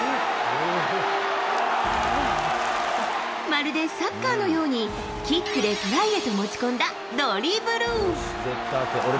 まるでサッカーのように、キックでトライへと持ち込んだドリブル。